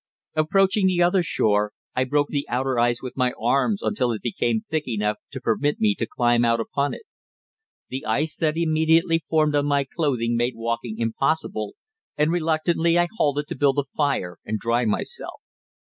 Approaching the other shore, I broke the outer ice with my arms until it became thick enough to permit me to climb out upon it. The ice that immediately formed on my clothing make walking impossible, and reluctantly I halted to build a fire and dry myself.